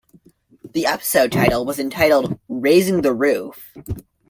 The episode title was entitled "Raising The Roof".